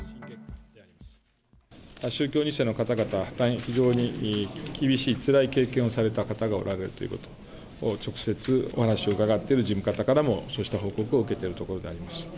宗教２世の方々、非常に厳しい、つらい経験をされた方がおられるということ、直接お話を伺ってる事務方からも、そうした報告を受けているところであります。